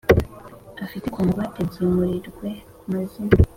Afite ku ngwate byimurirwe ku mazina